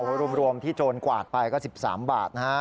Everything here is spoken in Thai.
โอ้โหรวมที่โจรกวาดไปก็๑๓บาทนะฮะ